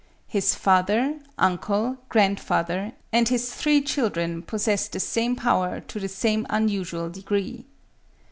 His father, uncle, grandfather, and his three children possess the same power to the same unusual degree.